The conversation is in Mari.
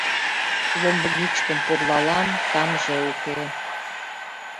Ломбыгичкым пурлалам — тамже уке.